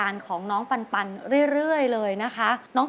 หนึ่งสองสามประลอง